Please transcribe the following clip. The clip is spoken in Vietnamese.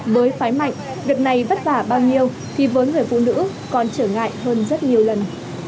với phái mạnh việc này vất vả bao nhiêu thì với người phụ nữ còn trở ngại hơn rất nhiều lần